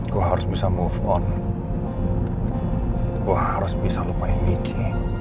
gua harus bisa move on gua harus bisa lupa ini